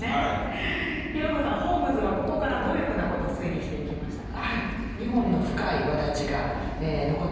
ホームズはここからどういうふうなことを推理していきましたか？